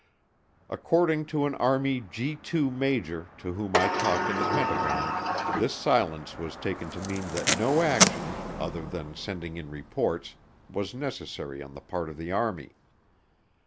According to an Army G 2 major to whom I talked in the Pentagon, this silence was taken to mean that no action, other than sending in reports, was necessary on the part of the Army.